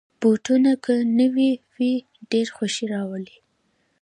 بوټونه که نوې وي، ډېر خوښي راولي.